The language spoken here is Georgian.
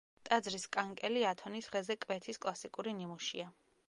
ტაძრის კანკელი ათონის ხეზე კვეთის კლასიკური ნიმუშია.